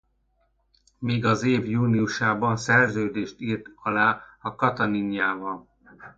Még az év júniusában szerződést írt alá a Cataniával.